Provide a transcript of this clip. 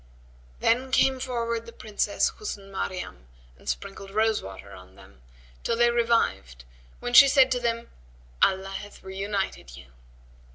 Then came forward the Princess Husn Maryam and sprinkled rose water on them, till they revived when she said to them, "Allah hath reunited you."